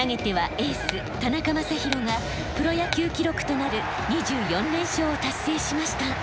エース田中将大がプロ野球記録となる２４連勝を達成しました。